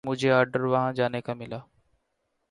مجھے آرڈر وہاں جانے کا ملا۔